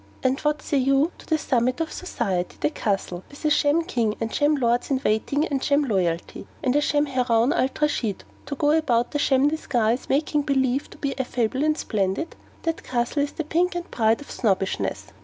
And what say you to the summit of society the Castle with a sham king, and sham lords in waiting, and sham loyalty, and a sham Haroun Alraschid, to go about in a sham disguise, making believe to be affable and splendid? That Castle is the pink and pride of Snobbishness.